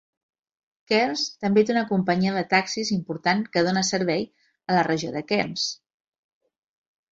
Cairns també té una companyia de taxis important que dona servei a la regió de Cairns.